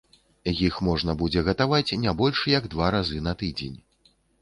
Іх можна будзе гатаваць не больш як два разы на тыдзень.